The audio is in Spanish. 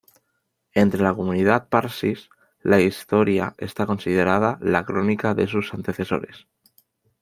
Entre la comunidad parsi, la historia está considerada la crónica de sus antecesores.